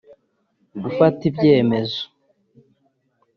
gufata ibyemezo